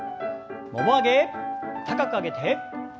もも上げ高く上げて。